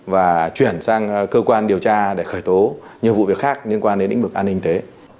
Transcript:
và chuyển sang cơ quan điều tra để khởi tố nhiều vụ việc khác liên quan đến lĩnh vực an ninh tế